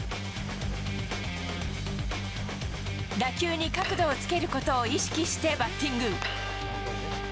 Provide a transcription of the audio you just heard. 打球に角度をつけることを意識してバッティング。